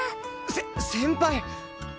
せ先輩！